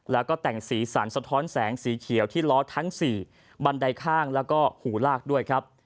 แล้วก็แต่งสีสันสะท้อนแสงสีเขียวที่ล้อทั้ง๔บันไดข้างแล้วก็หูลากด้วยครับ